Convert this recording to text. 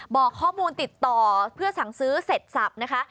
บอกข้อมูลติดต่อเพื่อสั่งซื้อเสร็จสับนะคะ